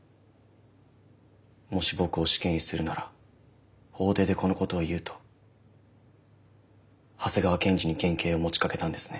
もし僕を死刑にするなら法廷でこのことを言うと長谷川検事に減刑を持ちかけたんですね？